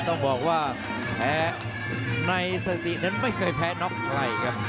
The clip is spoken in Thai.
ต้องบอกว่าแพ้ในสถิตินั้นไม่เคยแพ้น็อกใครครับ